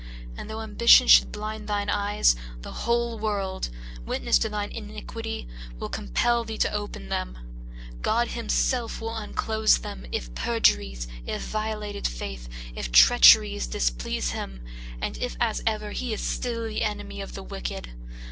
And though ambition should blind thine eyes, the whole world, witness to thine iniquity, will compel thee to open them; God himself will unclose them, if perjuries, if violated faith, if treacheries displease him, and if, as ever, he is still the enemy of the wicked.